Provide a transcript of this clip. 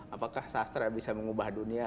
apakah sastra bisa mengubah dunia